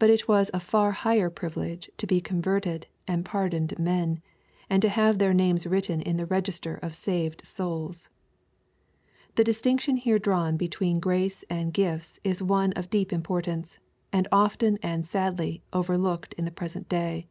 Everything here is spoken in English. But it was a far higher privilege to be converted and pardoned men, and to have their names written in the register of saved souls. The distinction here drawn between grace and gifts is one of deep importance, and often and sadly overlooked in the present day.